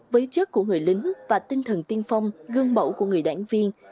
với chất của người lính và tinh thần tiên phong gương mẫu của người đảng viên